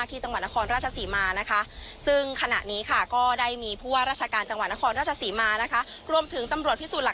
รถทัวร์ค่ะได้พลิกคว่ำ